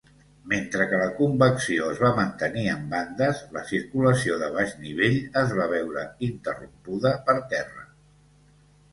Mentre que la convecció es va mantenir en bandes, la circulació de baix nivell es va veure interrompuda per terra.